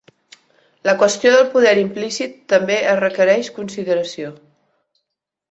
La qüestió del poder implícit també es requereix consideració.